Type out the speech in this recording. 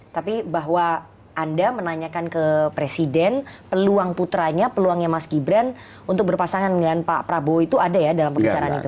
tapi bahwa anda menanyakan ke presiden peluang putranya peluangnya mas gibran untuk berpasangan dengan pak prabowo itu ada ya dalam pembicaraan itu